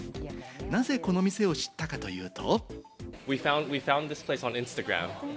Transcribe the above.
なぜこの店を知ったかというと。